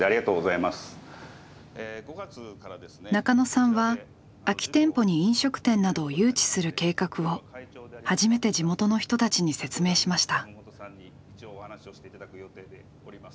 すいません今日は中野さんは空き店舗に飲食店などを誘致する計画を初めて地元の人たちに説明しました。